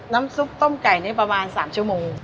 น้ำซุปต้มไก่นี่ประมาณ๓ชั่วโมง